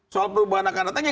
soal perubahan akan datangnya